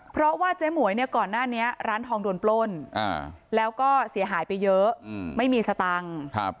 เพราะว่าเจ๊หมวยเนี่ยก่อนหน้านี้ร้านทองโดนปล้นแล้วก็เสียหายไปเยอะไม่มีสตังค์